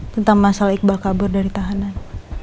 tentang masalah iqbal kabur dari tahanan